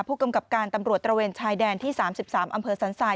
ผู้กำกับการตำรวจตระเวนชายแดนที่๓๓อำเภอสันทราย